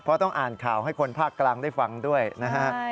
เพราะต้องอ่านข่าวให้คนภาคกลางได้ฟังด้วยนะฮะ